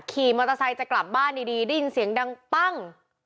ขี่มอเตอร์ไซค์จะกลับบ้านดีได้ยินเสียงดังปั้ง